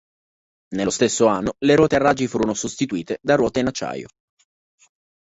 Nello stesso anno le ruote a raggi furono sostituite da ruote in acciaio.